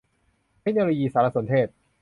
เทคโนโลยีสารสนเทศ